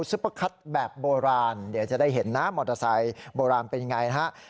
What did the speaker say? ซุปเปอร์คัตแบบโบราณเดี๋ยวจะได้เห็นนะมอเตอร์ไซค์โบราณเป็นยังไงนะฮะ